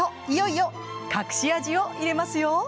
いよいよ隠し味を入れますよ。